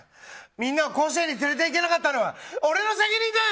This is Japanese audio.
みんなを甲子園に連れていけなかったのは俺の責任です！